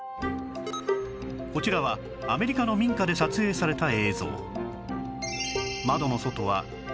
こちらはアメリカの民家で撮影された映像